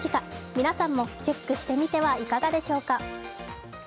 皆さんもチェックしてみてはいかがでしょうか。